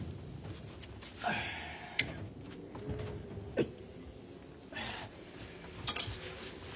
はい。